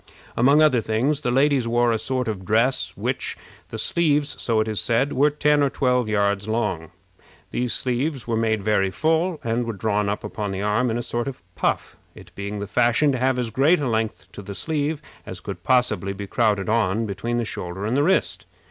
Among other things, the ladies wore a sort of dress of which the sleeves, so it is said, were ten or twelve yards long. These sleeves were made very full, and were drawn up upon the arm in a sort of a puff, it being the fashion to have as great a length to the sleeve as could possibly be crowded on between the shoulder and the wrist.